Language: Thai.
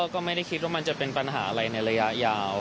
ก็ไม่ได้คิดว่ามันจะเป็นปัญหาอะไรในระยะยาว